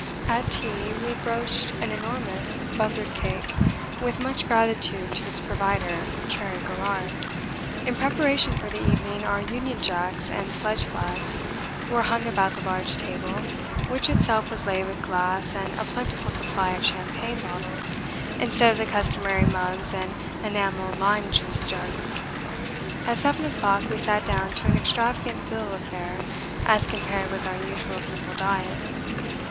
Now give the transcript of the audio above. At tea we broached an enormous Buzzard cake, with much gratitude to its provider, Cherry Garrard. In preparation for the evening our 'Union Jacks' and sledge flags were hung about the large table, which itself was laid with glass and a plentiful supply of champagne bottles instead of the customary mugs and enamel lime juice jugs. At seven o'clock we sat down to an extravagant bill of fare as compared with our usual simple diet.